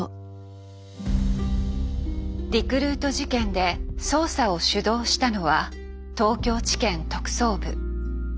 リクルート事件で捜査を主導したのは東京地検特捜部。